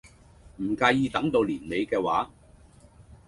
唔介意等到年尾嘅話